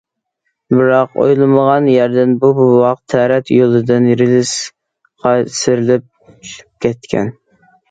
بىراق ئويلىمىغان يەردىن بۇ بوۋاق تەرەت يولىدىن رېلىسقا سىيرىلىپ چۈشۈپ كەتكەن.